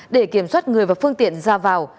để kiểm soát người và phương tiện ra vào